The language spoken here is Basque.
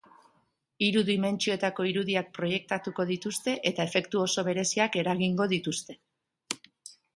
Hiru dimentsioetako irudiak proiektatuko dituzte eta efektu oso bereziak eragingo dituzte.